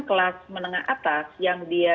kelas menengah atas yang dia